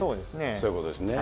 そういうことですね。